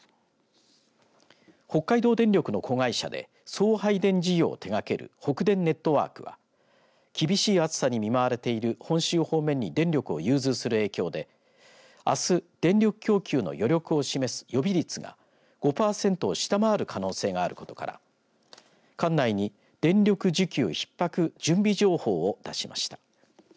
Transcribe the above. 北海道電力の子会社で送配電事業を手がける北電ネットワークは厳しい暑さに見舞われている本州方面に電力を融通する影響であす電力供給の余力を示す予備率が５パーセントを下回る可能性があることから管内に電力需給ひっ迫準備情報を出しました。